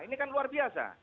ini kan luar biasa